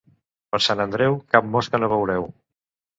Per Sant Andreu cap mosca no veureu.